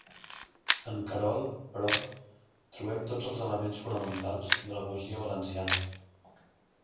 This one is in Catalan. En Querol, però, trobem tots els elements fonamentals de la poesia valenciana.